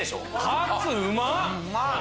カツうまっ！